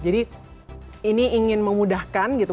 jadi ini ingin memudahkan gitu